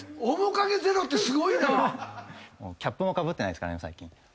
キャップもかぶってないですから最近。